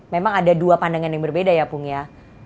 memang ada dua pandangan yang berbeda ya pung ya